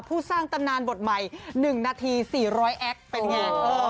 สร้างตำนานบทใหม่๑นาที๔๐๐แอคเป็นไง